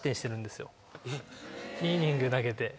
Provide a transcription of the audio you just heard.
２イニング投げて。